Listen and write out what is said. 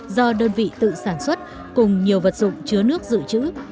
do đơn vị tự sản xuất cùng nhiều vật dụng chứa nước dự trữ